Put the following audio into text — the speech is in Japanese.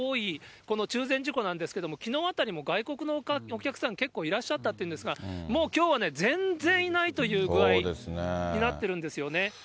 この中禅寺湖なんですが、きのうあたりも外国のお客さん、結構いらっしゃったっていうんですが、もうきょうはね、全然いないという具合になってるんですよね。